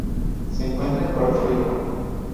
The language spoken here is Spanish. Se encuentra en Puerto Rico.